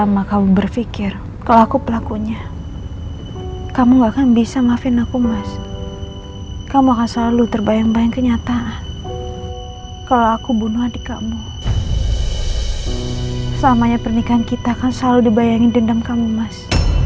mama mama dari kemarin bahasnya cincin terus